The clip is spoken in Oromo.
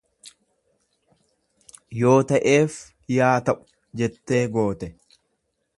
Yoo ta'eef yaa ta'u jettee goote.